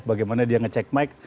bagaimana dia ngecek mic